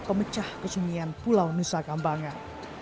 pemecah kesunyian pulau nusa kambangan